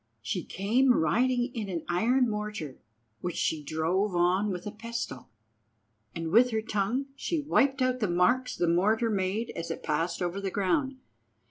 She came riding in an iron mortar, which she drove on with a pestle, and with her tongue she wiped out the marks the mortar made as it passed over the ground.